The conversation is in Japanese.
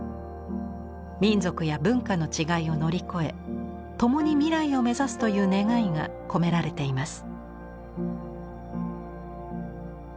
民族や文化の違いを乗り越え共に未来を目指すという願いが込められています